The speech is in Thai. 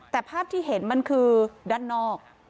แต่ภาพที่เห็นมันคือด้านนอก